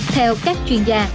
theo các chuyên gia